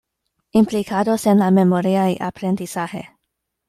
Implicados en la memoria y aprendizaje.